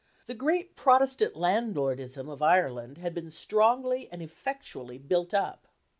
The great Protestant landlordism of Ireland had been strongly and effectually built up.